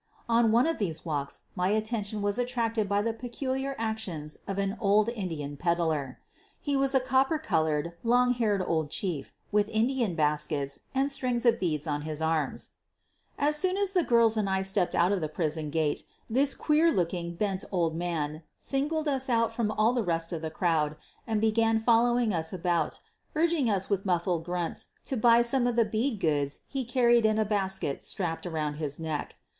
On one of these walks my attention was attracted by the peculiar actions of an old Indian peddler. He was a copper colored, long haired old chief, with Indian baskets and strings of beads on his arms. As soon as the girls and I stepped out of the prison gate this queer looking, bent old man singled us out from all the rest of the crowd and began following us about, urging us with muffled grunts to buy some 72 SOPHIE LYONS of the bead goods lie carried in a basket strapped around his neck.